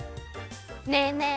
ねえねえ